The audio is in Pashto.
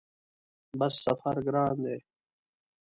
بس سفر ګران دی؟